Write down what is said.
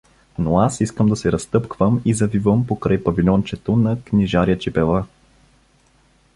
Но аз искам да се разтъпквам и завивам покрай павильончето на книжаря Чипева.